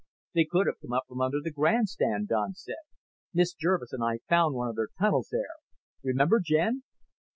"They could have come up from under the grandstand." Don said. "Miss Jervis and I found one of their tunnels there. Remember, Jen?"